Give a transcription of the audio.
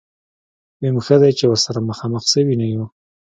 ويم ښه دی چې ورسره مخامخ شوي نه يو.